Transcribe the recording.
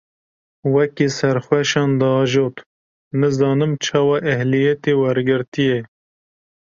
Wekî serxweşan diajot, nizanim çawa ehliyetê wergirtiye.